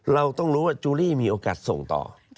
เราต้องรู้ว่าจูลี่มีโอกาสส่งต่อ